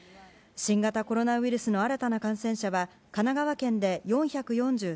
新型コロナウイルスの新たな感染者は神奈川県で４４３人